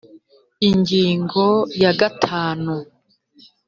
ingingo ya gatanu